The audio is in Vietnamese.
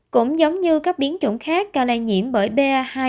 cũng giống như các biến chủng khác cao lai nhiễm bởi ba hai